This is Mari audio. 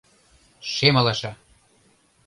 Шем алаша!